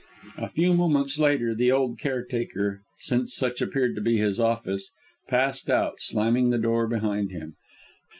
A few moments later, the old caretaker since such appeared to be his office passed out, slamming the door behind him.